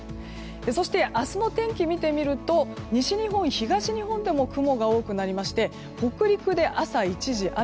そして明日の天気を見てみると西日本、東日本でも雲が多くなりまして北陸で朝、一時雨。